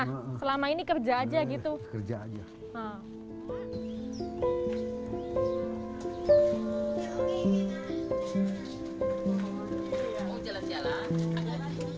hari ini saya mengajak mereka menjepit